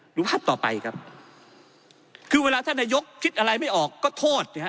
ดูภาพต่อไปครับคือเวลาท่านนายกคิดอะไรไม่ออกก็โทษนะฮะ